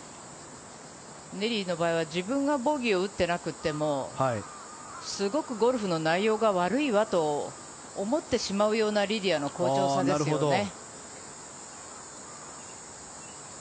ネリーの場合は自分がボギーを打ってなくても、すごくゴルフの内容が悪いわと思ってしまうような、リディアの好調さですね。